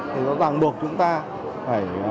thì nó tàng buộc chúng ta phải